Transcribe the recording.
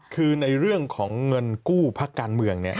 คือในเรื่องของเงินกู้พักการเมืองเนี่ย